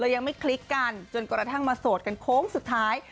ยังไม่คลิกกันจนกระทั่งมาโสดกันโค้งสุดท้าย